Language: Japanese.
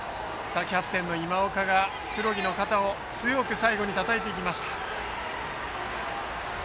キャプテンの今岡が黒木の肩を最後に強くたたいていきました。